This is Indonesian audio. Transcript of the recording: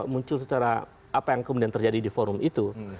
muncul secara apa yang kemudian terjadi di forum itu